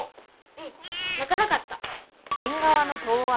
うん泣かなかった。